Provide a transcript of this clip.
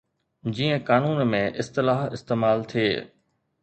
جيئن قانون ۾ اصطلاح استعمال ٿئي.